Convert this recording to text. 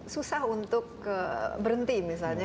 susah untuk berhenti misalnya